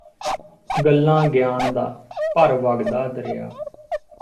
ਗੱਲਾਂ ਗਿਆਨ ਦਾ ਭਰ ਵਗਦਾ ਦਰਿਆ